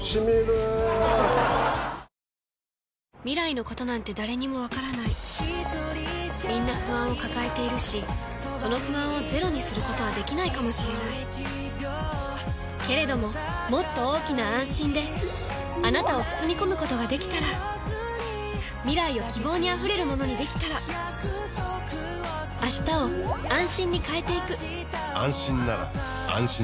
未来のことなんて誰にもわからないみんな不安を抱えているしその不安をゼロにすることはできないかもしれないけれどももっと大きな「あんしん」であなたを包み込むことができたら未来を希望にあふれるものにできたら変わりつづける世界に、「あんしん」を。